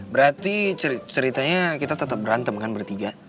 berarti ceritanya kita tetap berantem kan bertiga